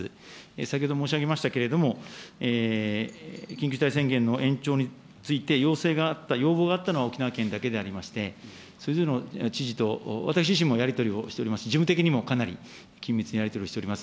先ほど申し上げましたけれども、緊急事態宣言の延長について、要請があった、要望があったのは沖縄県だけでありまして、それぞれの知事と、私自身もやり取りをしております、事務的にもかなり緊密なやり取りをしております。